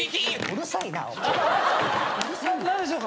うるさいよ！